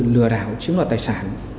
lừa đảo chính loại tài sản